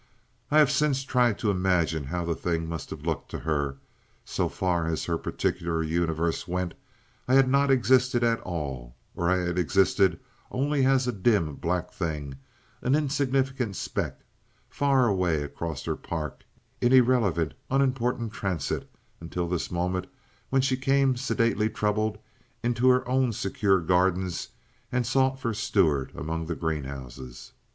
.. I have tried since to imagine how the thing must have looked to her. So far as her particular universe went I had not existed at all, or I had existed only as a dim black thing, an insignificant speck, far away across her park in irrelevant, unimportant transit, until this moment when she came, sedately troubled, into her own secure gardens and sought for Stuart among the greenhouses.